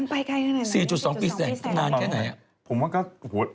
มันไปใกล้เท่านั้นไหม๔๒ปีแสงนานแค่ไหนอะ